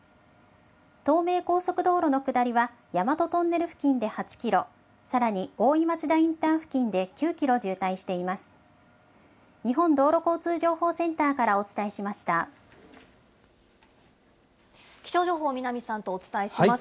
東名高速道路の下りは、大和トンネル付近で８キロ、さらに大井松田インターチェンジ付近で９キロ渋滞しています。